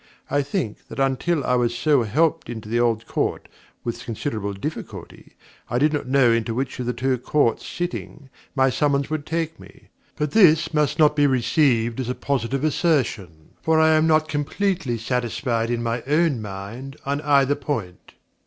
I think that until I was so helped into the Old Court with considerable difficulty, I did not know into which of the two Courts sitting, my summons would take me. But this must not be received as a positive assertion, for I am not completely satisfied in my mind on either point.